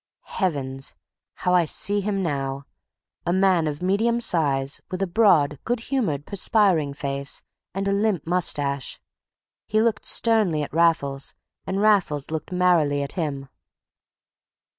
Heavens! how I see him now: a man of medium size, with a broad, good humored, perspiring face, and a limp moustache. He looked sternly at Raffles, and Raffles looked merrily at him.